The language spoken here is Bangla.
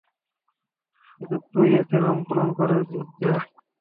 শুধু, তুই এতে রং পূরণ করে যা।